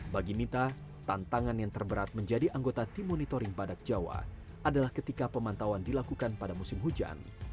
bagi mita tantangan yang terberat menjadi anggota tim monitoring badak jawa adalah ketika pemantauan dilakukan pada musim hujan